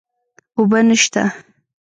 اوبه نشته